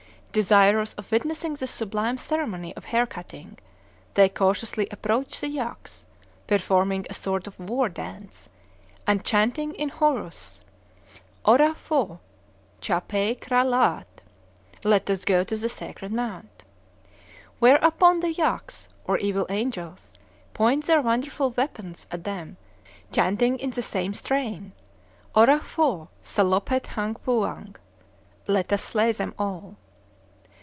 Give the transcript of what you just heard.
Desirous of witnessing the sublime ceremony of hair cutting, they cautiously approach the Yâks, performing a sort of war dance, and chanting in chorus: Orah Pho, cha pai Kra Lâât. "Let us go to the Sacred Mount!" Whereupon the Yâks, or evil angels, point their wonderful weapons at them, chanting in the same strain: Orah Pho, salope thâng pooang. "Let us slay them all!"